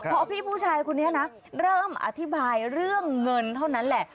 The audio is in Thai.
พอพี่ผู้ชายคนนี้นะเริ่มอธิบายเรื่องเงินเท่านั้นแหละ